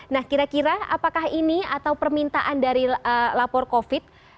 nah kira kira apakah ini atau permintaan dari lapor covid